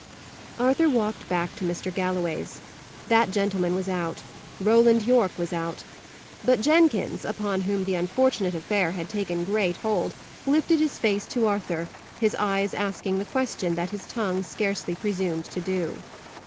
Arthur walked back to Mr. Galloway's. That gentleman was out. Roland Yorke was out. But Jenkins, upon whom the unfortunate affair had taken great hold, lifted his face to Arthur, his eyes asking the question that his tongue scarcely presumed to do.